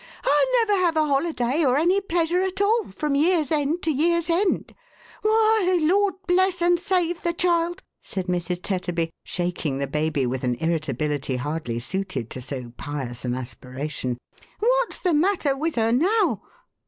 " I never have a holiday, or any pleasure at all, from year's end to year's end ! Why, Lord bless and save the child," said Mrs. Tetterby, shaking the baby with an irritability hardly suited to so pious an as piration, " what's the matter with her now